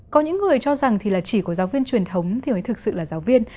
có những người cho rằng thì là chỉ có giáo viên truyền thống thì mới thực sự là giáo viên